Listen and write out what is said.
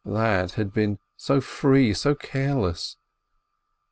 That had been so free, so careless.